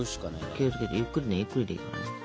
気を付けてゆっくりねゆっくりでいいからね。